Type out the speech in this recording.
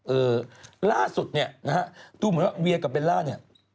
เอ่อล่าสุดเนี่ยนะฮะดูเหมือนว่าเวียกับเบลล่าเนี่ย